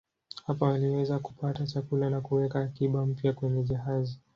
Hapa waliweza kupata chakula na kuweka akiba mpya kwenye jahazi.